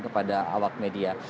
kepada awak media